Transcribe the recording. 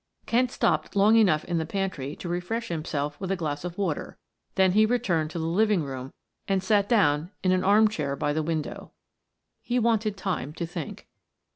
Kent stopped long enough in the pantry to refresh himself with a glass of water, then he returned to the living room and sat down in an arm chair by the window. He wanted time to think.